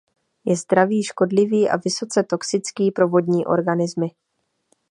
Je zdraví škodlivý a vysoce toxický pro vodní organismy.